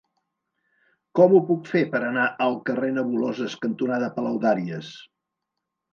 Com ho puc fer per anar al carrer Nebuloses cantonada Palaudàries?